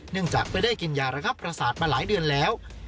เนื่องจากไม่ได้กินยารักษาประสาทมาหลายเดือนแล้ว